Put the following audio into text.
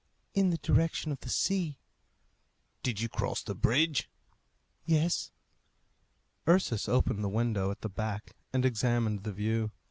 "In the direction of the sea." "Did you cross the bridge?" "Yes." Ursus opened the window at the back and examined the view.